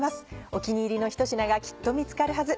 お気に入りのひと品がきっと見つかるはず。